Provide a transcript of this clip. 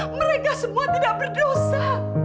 mereka semua tidak berdosa